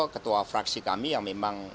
ketua fraksi kami yang memang